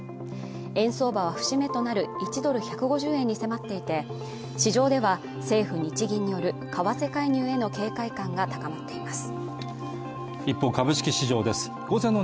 円相場は節目となる１ドル＝１５０円に迫っていて市場では政府・日銀による為替介入への警戒感が高まっています